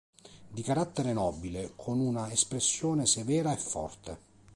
Di carattere nobile, con una espressione severa e forte.